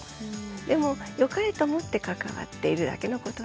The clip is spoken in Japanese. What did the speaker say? でもよかれと思って関わっているだけのことなんで。